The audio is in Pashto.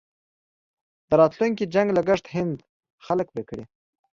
د راتلونکي جنګ لګښت هند خلک پرې کړي.